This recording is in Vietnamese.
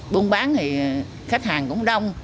buôn bán thì khách hàng cũng đông